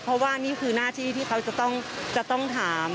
เพราะว่านี่คือหน้าที่ที่เขาจะต้องถาม